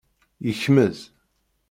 Yekmez.